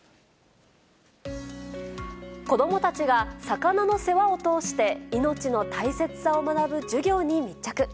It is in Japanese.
子どもたちが、魚の世話を通して命の大切さを学ぶ授業に密着。